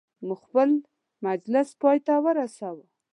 موږ خپل مجلس پایته ورساوه.